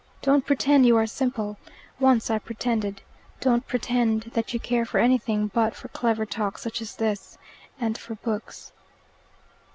Don't pretend you are simple. Once I pretended. Don't pretend that you care for anything but for clever talk such as this, and for books."